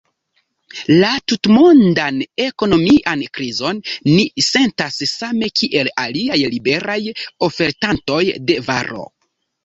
La tutmondan ekonomian krizon ni sentas same kiel aliaj liberaj ofertantoj de varo.